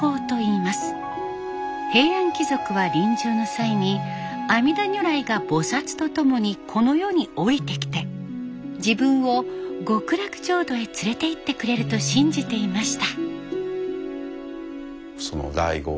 平安貴族は臨終の際に阿弥陀如来が菩薩とともにこの世に降りてきて自分を極楽浄土へ連れて行ってくれると信じていました。